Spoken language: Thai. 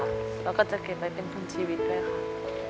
แล้วก็จะเก็บไว้เป็นทุนชีวิตด้วยค่ะ